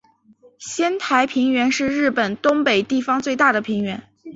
仙台平原是日本东北地方最大的平原。